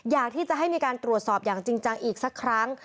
อยากที่จะให้มีการตรวจสอบอย่างจริงจังอีกสักครั้ง